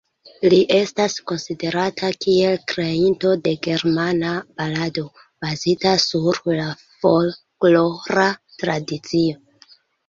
Li estas konsiderata kiel kreinto de germana balado, bazita sur la folklora tradicio.